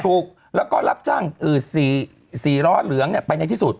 ถูกแล้วก็รับจ้าง๔ล้อเหลืองไปในที่สุด